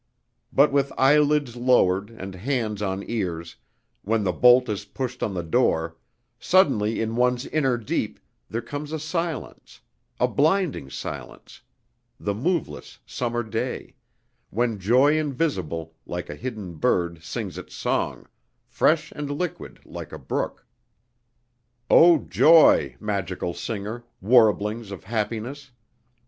But with eyelids lowered and hands on ears, when the bolt is pushed on the door, suddenly in one's inner deep there comes a silence, a blinding silence, the moveless summer day, when Joy invisible like a hidden bird sings its song, fresh and liquid, like a brook. O Joy! magical singer, warblings of happiness!